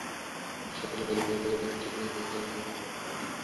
নিসার আলি বললেন, গভীর রাতে টেলিফোনে বিরক্ত করার জন্যে দুঃখিত!